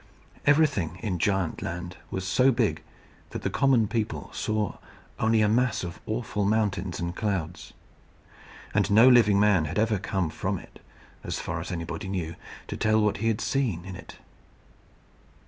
Everything in Giantland was so big that the common people saw only a mass of awful mountains and clouds; and no living man had ever come from it, as far as anybody knew, to tell what he had seen in it.